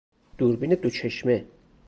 دوربین دوچشمه